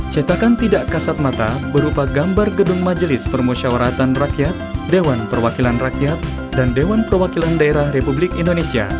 cetakan tidak kasat mata berupa gambar gedung majelis permusyawaratan rakyat dewan perwakilan rakyat dan dewan perwakilan daerah republik indonesia